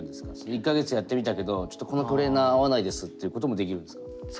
１か月やってみたけどちょっとこのトレーナー合わないですっていうこともできるんですか？